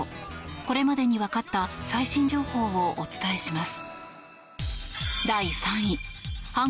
これまでにわかった最新情報をお伝えします。